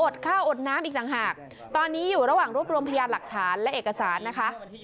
ข้าวอดน้ำอีกต่างหากตอนนี้อยู่ระหว่างรวบรวมพยานหลักฐานและเอกสารนะคะ